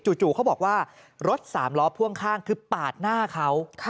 จู่เขาบอกว่ารถสามล้อพ่วงข้างคือปาดหน้าเขา